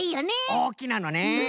おおきなのね。